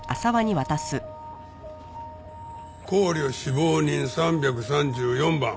行旅死亡人３３４番。